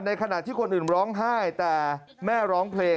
ในขณะที่คนอื่นร้องไห้แต่